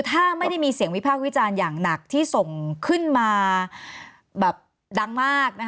ถ้าไม่ได้มีเสียงวิพากษ์วิจารณ์อย่างหนักที่ส่งขึ้นมาแบบดังมาก